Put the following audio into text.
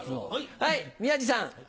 はい宮治さん。